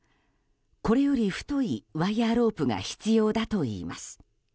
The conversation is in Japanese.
これより太いワイヤロープが必要だといいます。